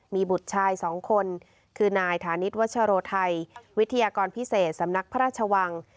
มีบุตรชาย๒คนคือนายธานิษฐวัชโรไทยวิทยากรพิเศษสำนักพระราชวัง